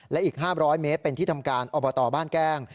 และอีก๕๐๐เมตรเป็นที่ทำการอบตบ้านแกล้ง